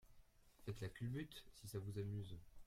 Faites la culbute, si ça vous amuse.